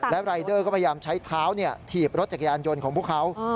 และรายเดอร์ก็พยายามใช้เท้าถีบรถจักรยานยนต์ของพวกเขา